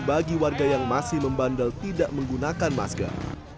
bagi warga yang masih membandel tidak menggunakan masker